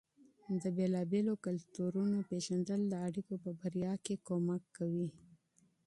د مختلفو کلتورونو پېژندل د اړيکو په بریا کې مرسته کوي.